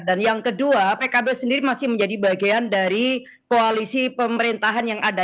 dan yang kedua pkb sendiri masih menjadi bagian dari koalisi pemerintahan yang ada